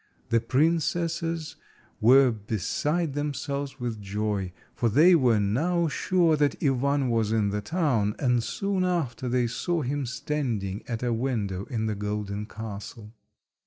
The princesses were beside themselves with joy, for they were now sure that Ivan was in the town, and soon after they saw him standing at a window in the golden castle.